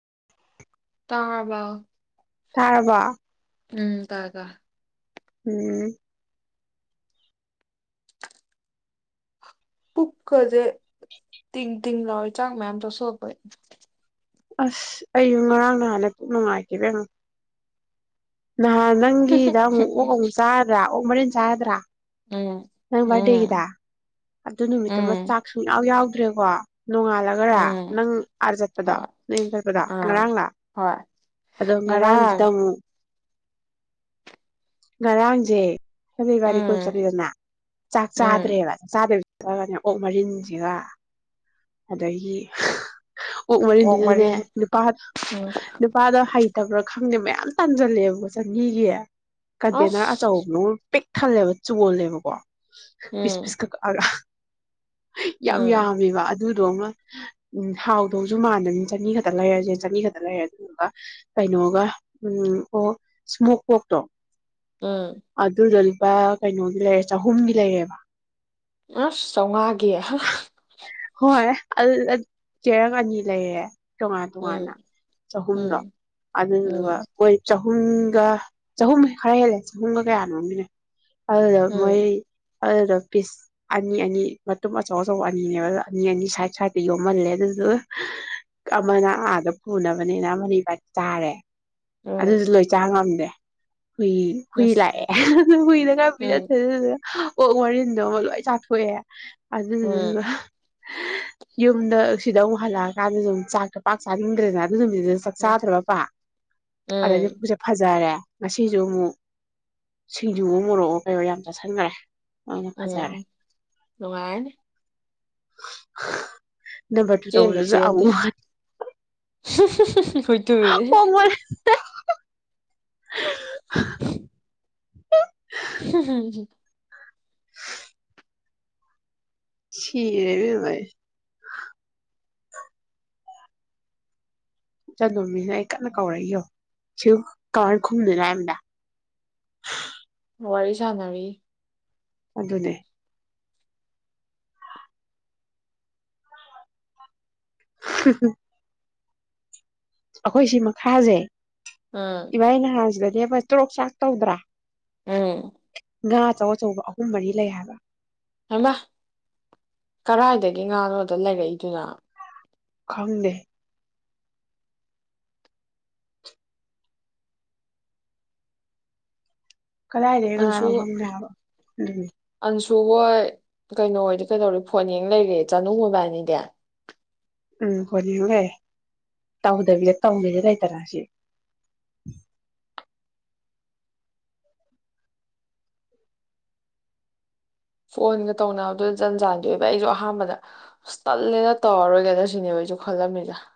ꯍ ꯇꯥꯕꯥꯎ ꯇꯥꯔꯕ ꯎꯝ ꯇꯥꯒꯥ ꯎꯝ ꯄꯨꯛꯀꯁꯦ ꯇꯤꯡ ꯇꯤꯡ ꯂꯥꯎꯏ ꯆꯥꯛ ꯃꯌꯥꯝ ꯆꯁꯣꯛꯂꯛꯄꯅ ꯑꯁ ꯑꯩꯌ ꯉꯔꯥꯡ ꯅꯍꯥꯟꯗ ꯄꯨ ꯅꯨꯡꯉꯥꯏꯈꯤꯕ ꯑꯃꯨꯛ ꯅꯍꯥꯟ ꯅꯪꯒꯤꯗ ꯑꯃꯨꯛ ꯑꯣꯛ ꯑꯃꯨꯛ ꯆꯥ꯭ꯔꯥ ꯑꯣ ꯃꯅꯤꯟ ꯆꯥꯗ꯭ꯔꯥ ꯎꯝ ꯅꯪ ꯕꯥꯔꯗꯦꯒꯤꯗ ꯎꯝ ꯑꯗꯨ ꯅꯨꯃꯤꯠꯇꯨ ꯎꯝ ꯆꯥꯛꯁꯨ ꯌꯥ ꯌꯥꯎꯗ꯭ꯔꯦꯀꯣ ꯅꯣꯡꯉꯥꯜꯂꯒꯔ ꯎꯝ ꯅꯪ ꯑꯥꯔ ꯆꯠꯄꯗꯣ ꯍꯣꯏ ꯅꯪ ꯆꯠꯄꯗꯣ ꯑꯥ ꯉꯔꯥꯡ ꯂꯥꯛ ꯍꯣꯏ ꯑꯗꯣ ꯉꯔꯥꯡ ꯉꯔꯥꯡꯁꯤꯗ ꯑꯃꯨꯛ ꯉꯔꯥꯡꯖꯦ ꯑꯗꯨ ꯏꯕꯅꯤ ꯀꯣꯏ ꯎꯝ ꯆꯠꯂꯤꯗꯅ ꯆꯥꯛ ꯎꯝ ꯆꯥꯗ꯭ꯔꯦꯕ ꯆꯥꯗ ꯇꯧꯔꯒꯅꯦ ꯑꯣꯛ ꯃꯔꯤꯟꯁꯤꯒ ꯑꯗꯒꯤ ꯑꯣꯛ ꯃꯔꯤꯟꯗꯨꯗꯅꯦ ꯎꯝ ꯅꯨꯄꯥ ꯑꯗꯣ ꯍꯩꯇꯕ꯭ꯔꯥ ꯈꯪꯗꯦ ꯃꯌꯥꯝ ꯇꯝꯖꯤꯜꯂꯛꯑꯦꯕꯀꯣ ꯆꯅꯤꯒꯤ ꯀꯟꯇꯦꯅꯔ ꯑꯁ ꯑꯆꯧꯕ ꯄꯤꯛ ꯊꯜꯂꯦꯕ ꯆꯣꯜꯂꯦꯕꯀꯣ ꯄꯤꯁ ꯎꯝ ꯄꯤꯁ ꯀꯛ ꯑꯒ ꯌꯥꯝ ꯎꯝ ꯌꯥꯝꯃꯦꯕ ꯑꯗꯨꯗꯣꯉꯣ ꯎ ꯍꯥꯎꯗꯧꯁꯨ ꯃꯥꯟꯗꯝꯅꯤꯅ ꯆꯅꯤ ꯈꯛꯇ ꯂꯩꯔꯁꯦ ꯆꯅꯤ ꯈꯛꯇ ꯂꯩꯔꯦ ꯑꯗꯨꯗꯨꯒ ꯀꯩꯅꯣꯒ ꯎꯝ ꯑꯣ ꯁꯃꯣꯛ ꯄꯣꯛꯇꯣ ꯎꯝ ꯑꯗꯨꯗꯣ ꯂꯨꯄꯥ ꯀꯩꯅꯣꯒꯤ ꯂꯩꯔꯦ ꯆꯍꯨꯝꯒꯤ ꯂꯩꯔꯦꯕ ꯑꯁ ꯆꯝꯉꯥꯒꯤ ꯑꯗꯨꯗ ꯆꯦꯔꯪ ꯑꯅꯤ ꯂꯩꯔꯦ ꯇꯣꯉꯥꯟ ꯎꯝ ꯇꯣꯉꯥꯟꯅ ꯆꯍꯨꯝꯗꯣ ꯎꯝ ꯑꯗꯨꯗꯨꯒ ꯎꯝ ꯃꯣꯏ ꯆ ꯆꯍꯨꯝꯒ ꯆꯍꯨꯝ ꯈꯔ ꯍꯦꯜꯂꯦ ꯆꯍꯨꯝꯒ ꯀꯌꯥꯅꯣꯝꯒꯤꯅꯦ ꯑꯗꯨꯗꯣ ꯃꯣꯏ ꯎꯝ ꯑꯗꯨꯗ ꯄꯤꯁ ꯑꯅꯤ ꯑꯅꯤ ꯃꯇꯨꯝ ꯑꯆꯧ ꯑꯆꯧꯕ ꯑꯅꯤꯅꯦꯕ ꯑꯗꯨ ꯑꯅꯤ ꯑꯅꯤ ꯁꯥꯏꯠ ꯁꯥꯏꯗꯠꯇ ꯌꯣꯝꯍꯜꯂꯦ ꯑꯗꯨꯒ ꯑꯃꯅ ꯑꯥꯗ ꯄꯨꯅꯕꯅꯤꯅ ꯑꯃꯅ ꯏꯕꯅꯤ ꯆꯥꯔꯦ ꯎꯝ ꯑꯗꯨꯖꯨ ꯂꯣꯏ ꯆꯥ ꯉꯝꯗꯦ ꯍꯨꯏ ꯍꯨꯏ ꯑꯁ ꯂꯥꯛꯑꯦ ꯑꯗꯨ ꯍꯨꯏꯗ ꯈ ꯄꯤꯖꯊꯣꯛꯑꯦ ꯎꯝ ꯑꯗꯨꯗꯨꯒ ꯑꯣꯛ ꯃꯔꯤꯟꯗꯣꯃ ꯂꯣꯏ ꯆꯥꯊꯣꯛꯑꯦ ꯎꯝ ꯑꯗꯨꯗꯨꯒ ꯌꯨꯝꯗ ꯁꯤꯗ ꯑꯃꯨꯛ ꯍꯜꯂꯛꯑ ꯀꯥꯟꯗ ꯆꯥꯛ ꯄꯥꯛ ꯆꯥꯅꯤꯡꯗ꯭ꯔꯦꯅ ꯑꯗꯨ ꯅꯨꯃꯤꯠꯇꯣ ꯆꯥꯛ ꯎꯝ ꯆꯥꯗ꯭ꯔꯕ ꯑꯗꯩꯗ ꯎꯝ ꯄꯨꯛꯁꯦ ꯐꯖ ꯇꯥꯔꯦ ꯉꯁꯤꯁꯨ ꯑꯃꯨꯛ ꯁꯤꯡꯖꯨꯋꯣ ꯃꯣꯔꯣꯛꯑꯣ ꯀꯩꯋꯣ ꯌꯥꯝ ꯆꯥꯁꯤꯟꯈꯔꯦ ꯎꯝ ꯅꯨꯡꯉꯥꯏꯔꯅꯤ ꯅꯝꯕꯔ ꯇꯨ ꯆꯦꯟꯕꯨ ꯇꯧꯕꯗꯁꯨ ꯆꯦꯟꯗꯦ ꯑꯃꯨꯛ [unintelligible] ꯍꯣꯡꯕꯅꯦ [unintelligible] [inaudible] [inaudible] [unintelligible] ꯁꯤ ꯔꯦ ꯏꯕꯦꯝꯃꯥ ꯑꯩ꯫ ꯆꯟꯗꯣꯃꯤꯁꯤꯅ ꯑꯩ ꯀꯟꯅ ꯀꯧꯔꯛꯏꯌꯣ ꯁꯤ ꯀꯃꯥꯏ ꯈꯨꯝꯗꯣꯏꯅꯣ ꯍꯥꯏꯕꯅꯤꯗ꯫ ꯋꯥꯔꯤ ꯁꯅꯔꯤ꯫ ꯑꯗꯨꯅꯦ꯫ ꯍꯥ ꯍꯥ ꯑꯩꯈꯣꯏ ꯁꯤ ꯃꯈꯥꯁꯦ ꯎꯝ ꯏꯕꯅꯤ ꯅꯍꯥꯟ ꯖꯤ ꯑꯦ ꯐꯁ ꯇ꯭ꯔꯣꯛ ꯆꯥꯛ ꯇꯧꯗ꯭ꯔꯥ? ꯎꯝ꯫ ꯉꯥ ꯑꯆꯧ- ꯑꯆꯧꯕ ꯑꯍꯨꯝ ꯃꯔꯤ ꯂꯩ ꯍꯥꯏꯕ꯫ ꯍꯥꯏꯃ! ꯀꯔꯥꯏꯗꯒꯤ ꯉꯥꯅꯣꯗ ꯂꯩꯔꯛꯏꯗꯨꯅ? ꯈꯪꯗꯦ꯫ ꯀꯗꯥꯏꯗꯩꯩ ꯑꯟꯁꯨ ꯉꯥꯅꯣ ꯈꯪꯗꯦ ꯍꯥꯏꯕꯥ꯫ ꯁꯨ ꯍꯣꯏ ꯀꯩꯅꯣ ꯑꯣꯏꯗꯤ ꯀꯩꯗꯧꯔꯦ ꯐꯣꯟ ꯌꯦꯡ ꯂꯩꯔꯦ ꯆꯥꯅꯨ ꯃꯥꯕꯅꯤꯗꯤ? ꯎꯝ ꯐꯣꯟ ꯌꯦꯡ ꯂꯩꯔꯤ ꯇꯧꯗꯕꯤꯗ ꯇꯧꯒꯦꯗꯤ ꯂꯩꯇꯔ ꯁꯤ꯫ ꯐꯣꯟꯒ ꯇꯧꯅꯕ ꯑꯗꯨ ꯖꯟꯖꯥꯟꯗꯤ ꯑꯣꯏꯕ ꯑꯩꯖꯨ ꯑꯍꯥꯟꯕꯗ ꯑꯁ ꯇꯜꯂꯦꯅ ꯇꯧꯔꯔꯣꯏꯒꯗ꯭ꯔ ꯁꯤꯅꯦꯕ ꯑꯩꯁꯨ ꯈꯜꯂꯝꯃꯤ ꯖꯦ ꯫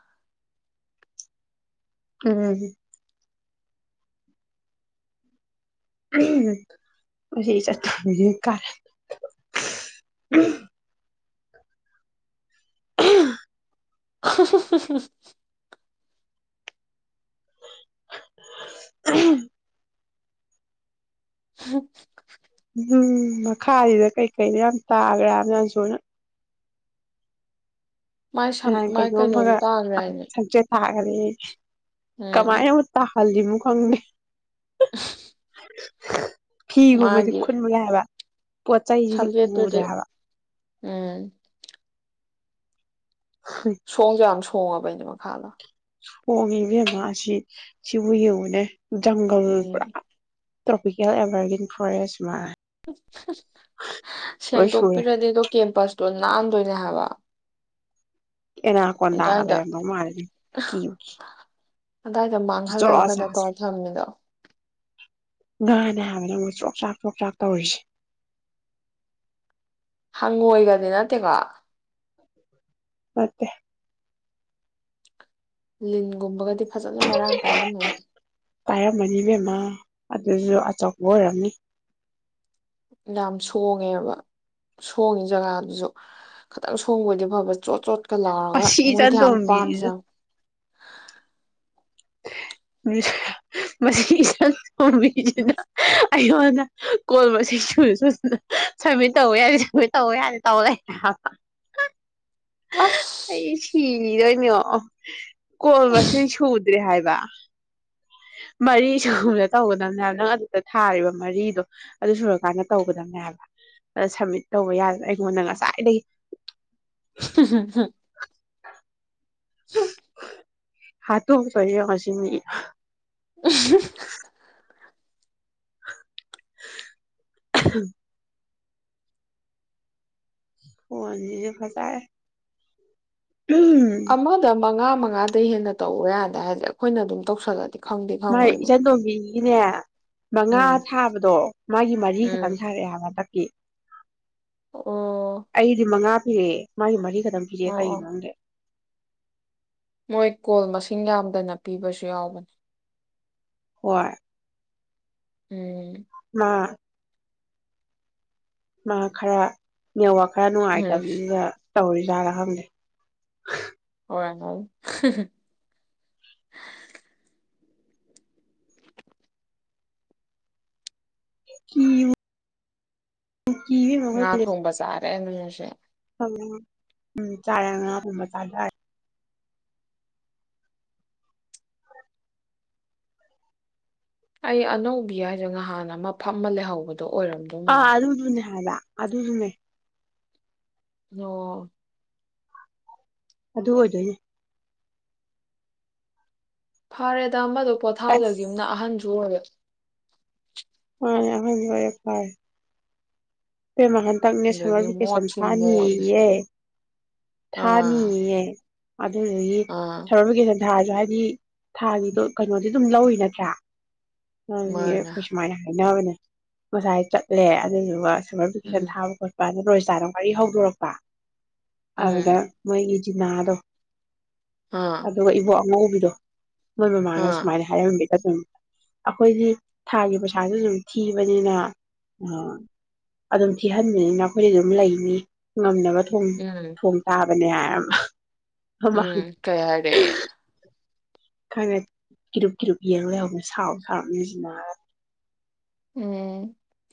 ꯎꯝ꯫ ꯎꯝ! [unintelligible] [unintelligible] ꯍ ꯍ ꯍ [unintelligible] ꯎꯝ ꯃꯈꯥꯁꯤꯗ ꯀꯩꯀꯩꯗ ꯌꯥꯝ ꯇꯥꯈ꯭ꯔꯥꯍꯥꯏ ꯑꯟꯁꯨ ꯅꯥ꯫ ꯃꯥꯏ ꯁꯝ ꯅꯍꯥꯟ ꯃꯥꯏ ꯀꯩꯅꯣꯝ ꯑꯃꯒ ꯀꯩꯅꯣꯁꯨ ꯇꯥꯈ꯭ꯔꯦ ꯍꯥꯏꯅꯦ ꯁꯪꯆꯦꯠ ꯇꯥ ꯐꯔꯦ꯫ ꯀꯃꯥꯏ ꯎꯝ ꯅꯕꯨ ꯇꯥ ꯍꯥꯜꯂꯤꯃꯨ ꯈꯪꯗꯦ꯫ [unintelligible] [inaudible] ꯐꯤꯒꯨꯝꯕꯗꯤ ꯃꯥꯒꯤ ꯈꯨꯟꯕꯒ ꯌꯥꯏ ꯍꯥꯕꯥ꯫ ꯄꯣꯆꯩꯁꯤꯗꯤ ꯎꯗꯦ ꯁꯝꯖꯦꯠꯇꯨꯗꯤ ꯍꯥꯏꯕꯥ ꯫ ꯎꯝ ꯁꯣꯡꯖꯨ ꯌꯥꯝ ꯁꯣ ꯁꯣꯡꯉ ꯕꯅꯤ ꯃꯈꯥꯗꯣ꯫ ꯁꯣꯡꯉꯤꯕꯦꯝꯃ ꯁꯤ ꯁꯤꯕꯨ ꯌꯦꯡꯉꯨꯅꯦ! ꯖꯪꯒꯜ ꯎꯝ ꯄꯨꯔꯥꯥ ꯇ꯭ꯔꯣꯄꯤꯀꯦꯜ ꯑꯦꯚꯔꯒ꯭ꯔꯤꯟ ꯐꯣꯔꯦꯁ ꯃꯥ ꯂꯣꯏ ꯁꯨꯔꯦ ꯁꯦꯡꯗꯣꯛꯄꯤꯔꯗꯤꯗꯣ ꯀꯦꯝꯄꯁ ꯇꯣ ꯅꯥꯟꯗꯣꯏꯅꯦ ꯍꯕ ꯏꯅꯥꯀꯗꯒꯗꯣ ꯃꯥꯔꯤ ꯀꯤ ꯑꯗꯥꯏꯗꯣ ꯃꯥꯡꯍꯜꯂꯒ ꯀꯩꯩꯅꯣ ꯇꯧꯔ ꯊꯃꯤꯗꯣ ꯅꯦ ꯍꯥꯏꯕꯅꯦ ꯑꯃꯨꯛ ꯆꯣꯛꯆ꯭ꯔꯥꯛ ꯆꯣꯛꯆ꯭ꯔꯥꯛ ꯇꯧꯔꯤꯁꯦ ꯍꯪꯉꯣꯏꯗꯗꯤ ꯅꯠꯇꯦꯀꯣ ꯃꯦ ꯂꯤꯒꯨꯝꯕꯒꯗꯤ ꯐꯖꯅ ꯃꯔꯥꯡ ꯀꯥꯏꯔꯝꯃꯧꯗꯦ ꯄꯥꯏꯔꯝꯃꯅꯤꯕꯦꯝꯃ ꯑꯗꯨꯁꯨ ꯑꯆꯧꯕ ꯑꯣꯏꯔꯝꯃꯤ ꯌꯥꯝ ꯁꯣꯡꯉꯦꯕ ꯁꯣꯡꯉꯤ ꯖꯒꯥꯗꯨꯁꯨ ꯈꯤꯇꯪ ꯁꯣꯡꯕꯣꯏꯗꯤ ꯐꯕ ꯆꯣꯠ ꯆꯣꯠ ꯂ ꯑꯁꯤ ꯃꯣꯏ ꯊꯅ ꯏꯆꯟꯇꯣꯝꯕꯤꯁꯤꯁꯨ ꯄꯥꯅꯖ ꯃꯁꯤꯒꯤ ꯏꯁ ꯊꯣꯡꯝꯕꯤꯁꯤꯅ ꯑꯩꯉꯣꯟꯗ ꯀꯣꯜ ꯃꯁꯤꯡ ꯁ ꯁꯨꯅ ꯁꯃꯤꯠ ꯇꯧꯕ ꯌꯥꯅꯤ ꯁꯃꯤꯠ ꯇꯧꯕ ꯌꯥꯅꯤ ꯇꯧ ꯂꯩ ꯑꯁ ꯑꯩ ꯁꯤꯗ [unintelligible] ꯀꯣꯜꯕꯁ ꯁꯨꯗ ꯍꯥꯏ ꯍꯥꯏꯕ ꯃꯔꯤ ꯁꯨꯕꯅ ꯇꯧꯒꯗꯝꯕꯅꯦ ꯍꯥꯏꯕ ꯅꯪ ꯑꯗꯨꯗ ꯊꯥꯔꯤꯕ ꯃꯔꯤꯗꯣ ꯑꯗꯨ ꯁꯨꯔꯀꯥꯟꯗ ꯇꯧꯒꯗꯝꯕꯅꯦ ꯍꯥꯏꯕ ꯑꯗ ꯁꯝꯃꯤꯠ ꯇꯧꯕ ꯌꯥꯗꯅ ꯑꯩꯉꯣꯟꯗ ꯉꯁꯥꯏꯗꯒꯤ ꯍꯨꯝ ꯍꯨꯝ ꯍꯨꯝ ꯍꯥ ꯇ ꯀ ꯉꯁꯤ ꯃꯤ ꯎ [inaudible] ꯍꯦ ꯐꯁ ꯑꯃꯥꯗ ꯃꯉꯥ ꯃꯉꯥꯗꯒꯤꯩ ꯍꯦꯟꯅ ꯇꯧꯕ ꯌꯥꯗꯦ ꯍꯥꯏꯔꯦ ꯑꯩꯈꯣꯏꯅ ꯑꯗꯨꯝ ꯇꯧꯁꯜꯂꯗꯤ ꯈꯪꯗꯤ ꯃꯥꯥꯏ ꯈꯪꯉꯣꯏꯕ ꯏꯆꯟ ꯇꯣꯝꯕꯤꯒꯤꯅꯦ ꯃꯉꯥ ꯎꯝ ꯊꯥꯕꯗꯣ ꯃꯥꯒꯤ ꯃꯔꯤ ꯈꯛꯇꯪ ꯎꯝ ꯊꯥꯔꯛꯑꯦ ꯍꯟꯗꯛꯀꯤ ꯑꯣ ꯑꯩꯗꯤ ꯃꯉꯥ ꯔꯦ ꯃꯥꯔꯤ ꯃꯔꯤꯒ ꯑꯗꯨꯝ ꯄꯤꯔꯦ ꯑꯣ ꯑꯣ ꯀꯩꯒꯤꯅꯣꯪꯗꯦ ꯃꯣꯏ ꯀꯣꯜ ꯃꯁꯤꯡ ꯌꯥꯝꯗꯅ ꯄꯤꯕꯁꯨ ꯌꯥꯎꯕꯅꯤ ꯍꯏ ꯎꯝ ꯃꯥ ꯃꯥ ꯈꯔ ꯅꯦꯋꯥꯛ ꯈꯔ ꯎꯝ ꯅꯨꯡꯉꯥꯏꯇꯝꯅꯤꯅ ꯇꯧꯔꯤꯖꯥꯔ ꯈꯪꯗꯦ ꯑꯣꯏꯔꯝꯒꯅꯤ ꯀꯤ ꯌꯨ ꯀꯤ ꯕꯦꯝꯃ ꯉꯥ ꯈꯣꯏ ꯀꯣꯂꯦꯁ [unintelligible] ꯎꯝ ꯆꯥꯔ ꯉꯒꯨꯝꯕ ꯆꯥꯗꯔꯦ ꯑꯩ ꯑꯅꯧꯕꯤ ꯍꯥꯏꯁꯦ ꯅꯍꯥꯟ ꯑꯃ ꯐꯝꯃ ꯂꯩꯍꯧꯕꯗꯣ ꯑꯣꯏꯔꯝꯗꯧ ꯑ ꯃꯥꯜꯂꯦ ꯑꯗꯨꯗꯨꯅꯦ ꯍꯥꯏꯂ ꯑꯗꯨꯗꯨꯅꯦ ꯅꯣ ꯑꯗꯨ ꯑꯣꯏꯗꯣꯏꯅꯦ ꯐꯥꯔꯦꯗ ꯑꯃꯗꯨ ꯑꯁ ꯄꯣꯊꯥꯖꯒꯤꯝꯅ ꯑꯍꯟꯖꯨ ꯑꯣꯏꯔꯦ ꯑꯍꯟꯖꯨ ꯑꯣꯏꯔꯦ ꯐꯔꯦ ꯏꯄꯦꯝꯃ ꯍꯟꯇꯛꯅꯦ ꯁꯝꯃꯔ ꯑꯗꯒꯤ ꯚꯦꯀꯦꯁꯟ ꯃꯣꯠꯁꯨ ꯃꯣꯠꯂꯦ ꯊꯥꯅꯤꯌꯦ ꯑꯥ ꯊꯥꯅꯤꯌꯦ ꯑꯗꯨꯗꯒꯤ ꯑꯥ ꯁꯚꯔꯚꯤꯀꯦꯁꯟ ꯊꯥꯁꯨ ꯍꯥꯏꯗꯤ ꯊꯥꯒꯤꯗꯣ ꯀꯩꯅꯣꯗꯤ ꯑꯗꯨꯝ ꯂꯧꯏ ꯅꯠꯇ꯭ꯔꯥ ꯑ ꯃꯥꯅꯦ ꯈꯨꯁꯃꯥꯏꯅ ꯍꯥꯏꯕꯅꯦ ꯉꯁꯥꯏ ꯆꯠꯂꯦ ꯑꯗꯨꯗꯨꯒ ꯁꯃꯔ ꯕꯦꯀꯦꯁꯟ ꯎꯝ ꯊꯕꯥ ꯈꯣꯠꯄ [unintelligible] ꯥꯅꯋꯥꯔꯤ ꯍꯧꯗꯣꯔꯛꯄ ꯑꯗꯨꯗ ꯎꯝ ꯃꯣꯏꯒꯤ ꯇꯤꯅꯗꯣ ꯑꯥ ꯑꯗꯨꯒ ꯏꯕꯣꯛ ꯉꯧꯕꯤꯗꯣ ꯃꯣꯏ ꯃꯃꯥꯡꯅ ꯑꯥ ꯁꯨꯨꯃꯥꯥꯏꯅ ꯍꯥꯏꯔꯝ ꯑꯗꯨꯝ ꯑꯩꯈꯣꯏꯗꯤ ꯊꯥꯒꯤ ꯄꯩꯁꯥꯁꯨ ꯑꯗꯨꯝ ꯊꯤꯕꯅꯤꯅ ꯑꯥ ꯑꯗꯨꯝ ꯊꯤꯍꯟꯕꯅꯤꯅ ꯑꯩꯈꯣꯏꯗꯤ ꯑꯗꯨꯝ ꯂꯩꯅꯤ ꯉꯝꯅꯕ ꯊꯨꯡ ꯎꯝ ꯊꯣꯡ ꯇꯥꯕ ꯕꯅꯝ ꯎꯝ ꯀꯩ ꯍꯥꯏꯔꯦ ꯈꯪꯅꯦ ꯀꯤꯔꯨꯞ ꯀꯤꯔꯨꯞ ꯌꯦꯡ ꯂꯩꯍꯧꯕꯅꯤ ꯁꯥꯎꯕꯨ ꯁꯥꯎꯔꯝꯅꯤ ꯖꯤꯅ ꯎꯝ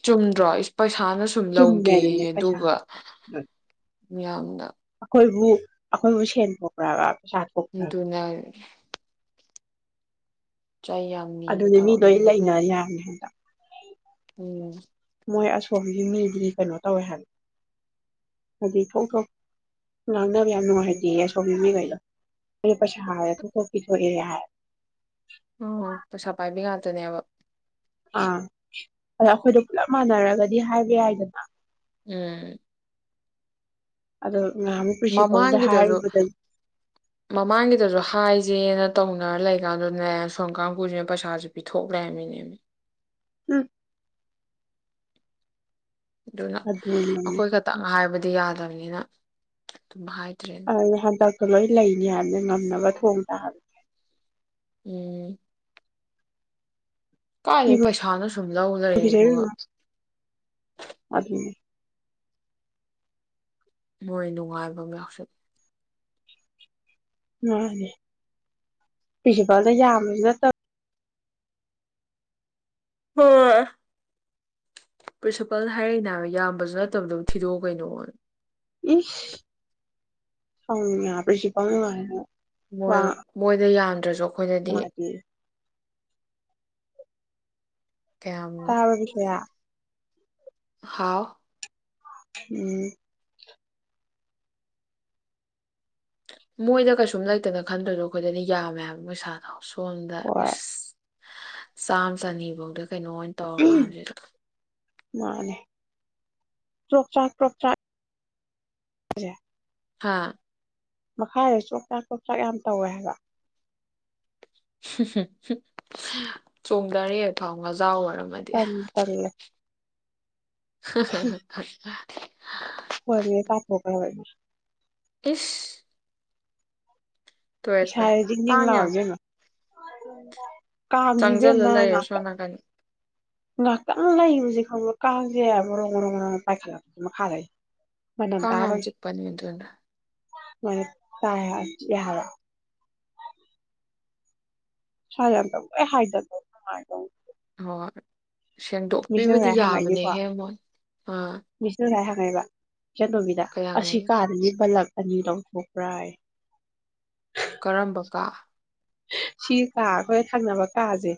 ꯆꯨꯝꯗ꯭ꯔꯣ ꯏꯁ ꯄ ꯏꯁꯥꯅ ꯁꯨꯝ ꯆꯨꯝꯃꯦ ꯑꯗꯨꯅꯦ ꯂꯧꯒꯦꯌꯦ ꯄꯩꯁꯥ ꯑꯗꯨꯒ ꯃꯤꯌꯥꯝꯅ ꯕꯨ ꯑꯩꯈꯣꯏꯕꯨ ꯁꯦꯟꯊꯣꯛꯈ꯭ꯔꯕ ꯎ ꯑꯗꯨꯅ ꯆꯩ ꯌꯥꯝ ꯅꯤꯕ ꯑꯗꯨꯅꯦ ꯃꯤꯗꯣ ꯑꯩ ꯊꯕꯛꯅꯤꯅ ꯂꯩꯅ ꯇꯧꯔꯤꯁꯦ ꯌꯥꯅꯤ ꯍꯟꯗ ꯎꯝ ꯃꯣꯏ ꯑꯁꯣꯝꯒꯤ ꯃꯤꯗꯤ ꯀꯩꯅꯣ ꯇꯧꯋꯦ ꯍꯥꯏꯕ ꯍꯥꯏꯗꯤ ꯊꯣꯛ ꯊꯣꯛ ꯂꯥꯡꯅꯕ ꯌꯥꯝ ꯎꯝ ꯅꯨꯡꯉꯥꯏꯇꯦ ꯑꯁꯣꯕꯤ ꯃꯤꯈꯩꯅ [inaudible] ꯃ ꯄꯁꯥ ꯍꯥꯏ ꯊ ꯊ ꯑ ꯇꯅꯕ ꯑꯥ ꯑꯗ ꯑꯩꯈꯣꯏꯗꯣ ꯄꯨꯂꯞ ꯃꯥꯟꯅꯔꯒꯗꯤ ꯍꯥꯏꯕ ꯌꯥꯏꯗꯅ ꯎꯝ ꯑꯗꯨꯗ ꯃꯃꯥꯡꯒꯤꯗꯁꯨ ꯃꯃꯥꯡꯒꯤꯗꯁꯨ ꯍꯥꯏꯁꯦꯅ ꯇꯧꯅꯔ ꯂꯩꯀꯥꯟꯗꯨꯗꯅꯦ ꯁꯝ ꯀꯥꯡꯈꯁꯤꯅ ꯄꯩꯁꯥꯥꯁꯦ ꯄꯤꯊꯣꯛ꯭ꯔꯦꯕꯃꯤꯅꯦ ꯎꯝ ꯑꯗꯨꯅ ꯑꯗꯨꯅꯦꯃꯤ ꯑꯩꯈꯣꯏ ꯈꯛꯇꯪ ꯍꯥꯏꯕꯗꯤ ꯑꯗꯨ ꯌꯥꯗꯕꯅꯤꯅ ꯑꯗꯨꯝ ꯍꯥꯏ ꯑꯍꯗ ꯂꯣꯏ ꯂꯩꯅꯤ ꯍꯥꯏꯅ ꯉꯝꯅꯕ ꯊꯣꯡ ꯇꯥꯕꯁ ꯎꯝ ꯀꯔꯦ ꯀꯤꯕꯨ ꯄꯁꯥꯅ ꯁꯨꯝ ꯂꯧ ꯂꯩꯔꯦ ꯀꯤꯖꯩꯔꯨꯅꯨ ꯑꯗꯨꯒꯒ ꯑꯗꯨꯅꯦ ꯃꯣꯏ ꯅꯨꯡꯉꯥꯏꯕ ꯌꯥꯎꯁꯜ ꯃꯥꯅꯦ ꯄ꯭ꯔꯤꯟꯁꯤꯄꯥꯜꯗ ꯌꯥꯝꯕꯁꯨ ꯅꯠꯇꯕ ꯍꯣꯏ ꯄ꯭ꯔꯤꯟꯁꯤꯄꯥꯜꯅ ꯍꯥꯏꯔꯛꯏꯅꯦꯕ ꯏꯕꯁꯨ ꯅꯠꯇꯕꯗ ꯑꯗꯨꯝ ꯊꯤꯗꯣꯛꯑꯣ ꯀꯩꯅꯣ ꯏ ꯁꯥꯎꯁꯤꯖꯤꯄ ꯌꯥꯅ ꯃꯣꯏ ꯃꯣꯏꯗ ꯌꯥ ꯗ꯭ꯔꯖꯣꯛ ꯑꯩꯈꯣꯏꯗꯗꯤ ꯅꯨꯡꯉꯥꯏꯇꯦꯌꯦ ꯀꯌꯥꯝ ꯇꯥꯕꯕꯤꯁꯌꯥ ꯍꯥꯎ ꯎꯝ ꯃꯣꯏꯗ ꯀꯩꯁꯨꯝ ꯂꯩꯇꯅ ꯈꯟꯗ꯭ꯔꯗꯣ ꯑꯩꯈꯣꯏꯗꯅ ꯌꯥꯝꯃꯦꯕ ꯃꯣꯏ ꯁꯥꯥꯅꯧꯋ ꯁꯣꯝꯗ ꯍꯣꯏ ꯏꯁ ꯆꯥꯝ ꯆꯅꯤ ꯐꯧꯗ ꯀꯩꯅꯣ ꯑꯣꯏꯅ ꯇꯧꯔꯀꯥꯟꯁꯤꯗ ꯃꯥꯅꯦ ꯆꯣꯛꯆꯥꯛ ꯄ꯭ꯔꯣꯛꯆꯥꯛ ꯍꯥꯥ ꯃꯈꯥꯗ ꯆꯣꯛꯆꯥꯛ ꯆꯣꯛꯆꯥꯛ ꯌꯥꯝ ꯇꯧꯋꯦ ꯍꯥꯏꯕ ꯆꯣꯡꯊꯔꯦ ꯐꯥꯎ ꯉ ꯆꯥꯎ ꯑꯣꯏꯔꯝꯃꯗꯤ ꯇꯟꯕꯨ ꯇꯜꯂꯦ ꯍ ꯍ ꯍ ꯊ [unintelligible] ꯏꯁ ꯇꯣꯛꯑꯦ ꯇꯣꯛꯑꯦ ꯏꯁꯥꯖꯤ ꯖꯤꯡ ꯅꯤꯡ ꯀꯥꯡ ꯂꯥꯎꯋꯤ ꯌꯥꯝ ꯏꯕꯦꯝꯃ ꯎꯝ ꯀꯥꯡꯖꯤꯗ ꯆꯪꯁꯤꯜꯂ ꯃ ꯂꯩꯔꯦ ꯉ ꯁꯣꯝ ꯅꯥꯀꯟ ꯉꯥꯛꯇꯪ ꯂꯩꯕꯖꯦ ꯈꯪꯕꯔꯥ ꯀꯥꯡꯖꯦ ꯃꯔꯪ ꯃꯔꯪ ꯄꯥꯏꯈꯠꯂꯛꯇꯨꯏꯅꯦ ꯃꯊꯈꯥꯗꯩ ꯀꯥꯡ ꯌꯥꯝ ꯆꯤꯛꯄꯅꯤ ꯑꯗꯨꯅ ꯃ ꯇꯥꯏ ꯌꯥ [unintelligible] ꯍꯣꯏ ꯃꯤꯁ ꯁꯦꯡꯗꯣꯛꯄꯤꯕꯗꯤ ꯉꯁꯥꯏ ꯍꯪꯉꯛꯏꯅꯤꯀꯣ ꯌꯥꯕꯅꯦꯍꯦ ꯃꯣꯏ ꯑꯥ ꯍꯥꯏꯕ ꯏꯆꯟꯇꯣꯝꯕꯤꯗ ꯀꯌꯥꯝ ꯑꯁꯤ ꯀꯥꯗꯅꯤ ꯕꯜꯂꯞ ꯑꯅꯤ ꯂꯧꯊꯣꯛꯄ꯭ꯔꯥ ꯍꯥꯏ ꯀꯔꯝꯕ ꯀꯥ ꯁꯤ ꯀꯥ ꯑꯈꯣꯏ ꯊꯪꯅꯕ ꯀꯥꯁꯦ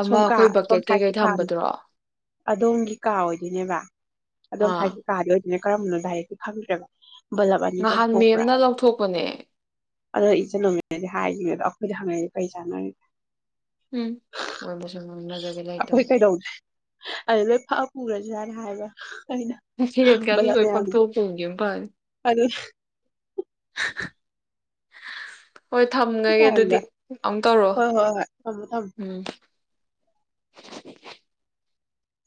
ꯑꯃ ꯁꯣꯝ ꯀꯥ ꯑꯩꯈꯣꯏ ꯁꯣꯝ ꯕꯛꯀꯦꯠ ꯀꯩꯀꯩ ꯁꯥꯏꯠꯀꯤ ꯀꯥꯅꯤ ꯊꯝꯕꯗꯨꯔꯣ ꯑꯗꯣꯝꯒꯤ ꯀꯥ ꯑꯣꯏꯗꯣꯏꯅꯦꯕ ꯑꯗꯣꯝ ꯑꯥ ꯁꯥꯏꯠꯀꯤ ꯀꯥꯗ ꯑꯣꯏ ꯀꯔꯝꯕꯅꯣ ꯗꯥꯏꯔꯦꯛꯇꯤ ꯈꯪꯗꯔꯦꯕ ꯅꯍꯥꯟ ꯃꯦꯝꯅ ꯂꯧꯊꯣꯛꯄꯅꯦ ꯑꯗꯣ ꯏꯆꯟ ꯇꯣꯝꯕꯤꯅꯗꯤ ꯍꯥꯏꯈꯤꯅꯦ ꯑꯗꯣ ꯑꯩꯈꯣꯏꯗꯤ ꯍꯪꯉꯛꯏ ꯀꯔꯤ ꯆꯥꯟꯅꯔꯤꯒꯦ ꯎꯝ ꯃꯣꯏꯕꯨꯁꯨ ꯉꯥꯡꯅꯖꯕꯤ ꯑꯩꯈꯣꯏ ꯂꯩꯇꯕ ꯀꯩꯗꯧꯗꯦ ꯍꯥꯏꯗꯤ ꯂꯣꯏ ꯐꯛꯑ ꯄꯨꯒꯔꯅꯤ ꯖꯔ ꯍꯥꯏꯕ ꯑꯩꯅ ꯍꯔꯠ ꯀꯌꯥꯗ ꯕꯂꯞ ꯀꯣꯏ ꯐꯛ ꯃꯌꯥꯝꯗꯣ ꯊꯧ ꯄꯧꯒꯦ ꯐ ꯑꯗꯨ [inaudible] ꯍꯣꯏ ꯊꯝꯒꯒꯦ ꯑꯗꯨꯗꯤ ꯑꯃꯨꯛ ꯇꯧꯔꯣ ꯍꯣꯏ ꯍꯣꯏ ꯍꯣꯏ ꯊꯝꯃꯣ ꯊꯝꯃꯣ ꯎꯝ